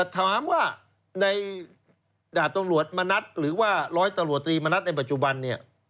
ถามว่าในดาบตลวดมณัฑหรือว่าร้อยตลวดตรีมณัฑในปัจจุบัน